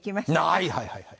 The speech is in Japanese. はいはいはいはい。